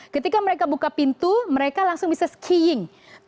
ketika mereka buka pintu mereka langsung bisa skiing